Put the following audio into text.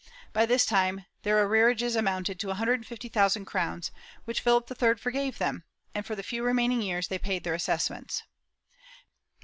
By this time their arrearages amounted to a hundred and fifty thousand crowns, which Philip III forgave them and, for the few remaining years they paid their assessments.